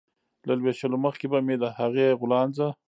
له لوشلو مخکې به مې د هغې غولانځه